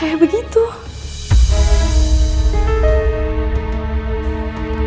saya permisi dulu ya ibu